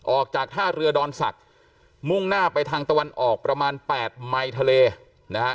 ออกจากท่าเรือดอนศักดิ์มุ่งหน้าไปทางตะวันออกประมาณ๘ไมค์ทะเลนะฮะ